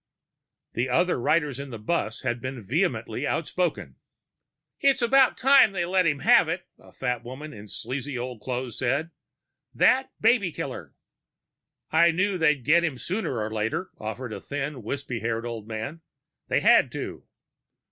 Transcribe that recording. The other riders in the bus had been vehemently outspoken. "It's about time they let him have it," a fat woman in sleazy old clothes said. "That baby killer!" "I knew they'd get him sooner or later," offered a thin, wispy haired old man. "They had to."